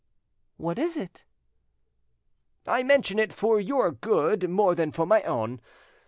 "What is it?" "I mention it for your good more than for my own.